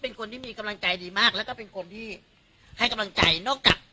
เป็นคนที่มีกำลังใจดีมากแล้วก็เป็นคนที่ให้กำลังใจนอกจาก